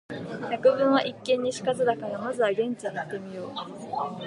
「百聞は一見に如かず」だから、まずは現地へ行ってみよう。